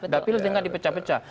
dapil tinggal di pecah pecah